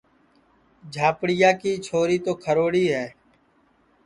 جھاپڑِیا چھوری تو کھروڑی ہے